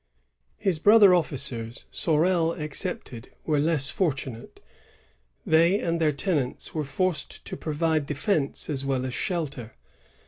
His broUier oflicers, Sorel excepted, wore less fortunate. They and their tenants were forced to provide defence as well as shelter.